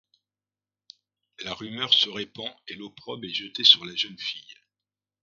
La rumeur se répand et l'opprobre est jetée sur la jeune fille.